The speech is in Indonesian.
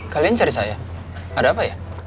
kalian cari saya ada apa ya